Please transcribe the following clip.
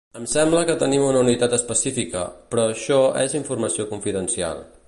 Em sembla que tenim una unitat específica, però això és informació confidencial.